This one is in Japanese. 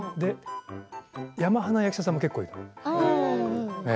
山派の役者さんも結構いる。